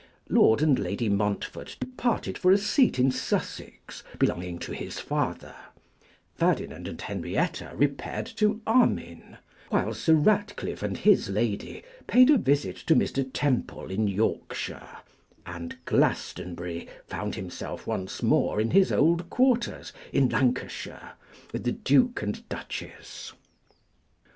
Lord and Lady Montfort departed for a seat in Sussex, belonging to his father; Ferdinand and Henrietta repaired to Armine; while Sir Ratcliffe and his lady paid a visit to Mr. Temple in Yorkshire, and Glastonbury found himself once more in his old quarters in Lancashire with the duke and duchess.